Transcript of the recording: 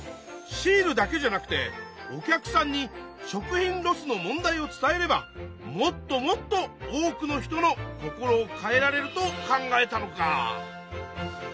シールだけじゃなくてお客さんに食品ロスの問題を伝えればもっともっと多くの人の心を変えられると考えたのか！